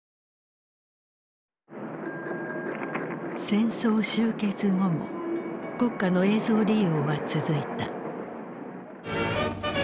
戦争終結後も国家の映像利用は続いた。